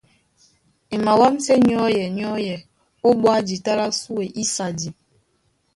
E mawámsɛ́ nyɔ́yɛ nyɔ́yɛ ó bwá jǐta lá sùe ísadi.